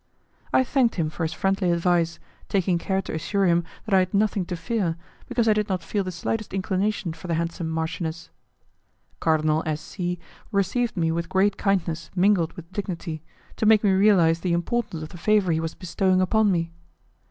I thanked him for his friendly advice, taking care to assure him that I had nothing to fear, because I did not feel the slightest inclination for the handsome marchioness. Cardinal S. C. received me with great kindness mingled with dignity, to make me realize the importance of the favour he was bestowing upon me.